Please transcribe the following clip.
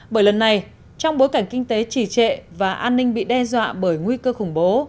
bởi lần này trong bối cảnh kinh tế trì trệ và an ninh bị đe dọa bởi nguy cơ khủng bố